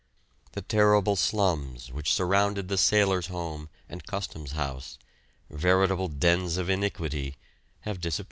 The terrible slums which surrounded the Sailors' Home and Custom House, veritable dens of iniquity, have disappeared.